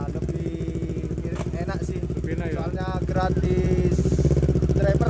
lebih enak sih soalnya gratis driver